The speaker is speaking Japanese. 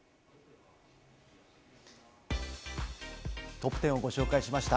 トップテンをご紹介しました。